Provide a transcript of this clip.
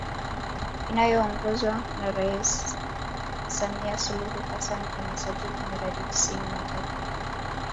Inayoongozwa na Rais Samia Suluhu Hassan imesajili miradi tisini na tatu